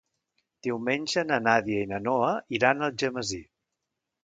Diumenge na Nàdia i na Noa iran a Algemesí.